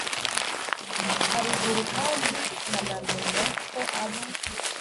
haruguru kandi rikanamenya ko abo